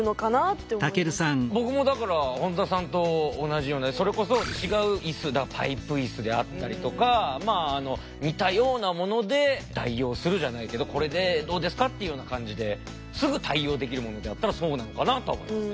僕もだから本田さんと同じようなそれこそ違ういすパイプいすであったりとか似たようなもので代用するじゃないけど「これでどうですか？」っていうような感じですぐ対応できるものだったらそうなのかなとは思いますね。